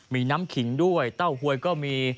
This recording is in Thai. มีน้ำขิงด้วยเต้าหวยก็มี